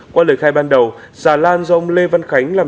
qua lời khai ban đầu xà lan do ông lê văn khánh làm